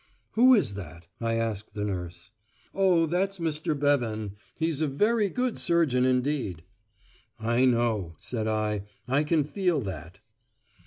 "Who is that?" I asked the nurse. "Oh! that's Mr. Bevan; he's a very good surgeon indeed." "I know," said I, "I can feel that."